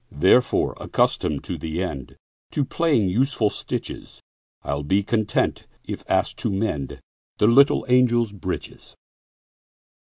Therefore, accustomed to the endTo plying useful stitches,I 'll be content if asked to mendThe little angels' breeches.